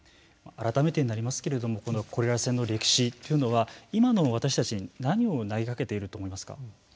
改めてになりますけれどもコレラ船の歴史というのは今の私たちに何を投げかけていると思いますか。